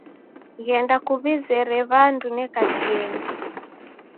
Ghenda kuw'izere w'andu neka chienyi